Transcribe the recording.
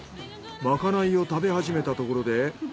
まかないを食べはじめたところで。